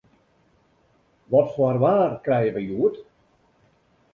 Wat foar waar krije we hjoed?